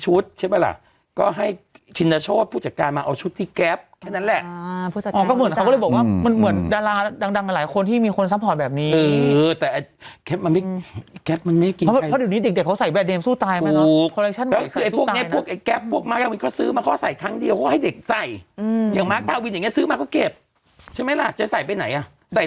อืออืออืออืออืออืออืออืออืออืออืออืออืออืออืออืออืออืออืออืออืออืออืออืออืออืออืออืออืออืออืออืออืออืออืออืออือ